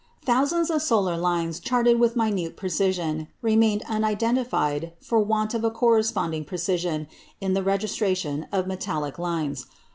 Thousands of the solar lines charted with minute precision remained unidentified for want of a corresponding precision in the registration of metallic lines.